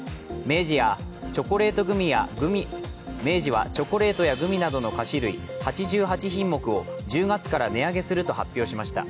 明治はチョコレートやグミなどの菓子類、８８品目を１０月から値上げすると発表しました。